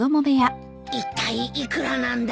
いったい幾らなんだ？